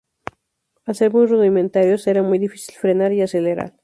Al ser muy rudimentarios era muy difícil frenar, y acelerar.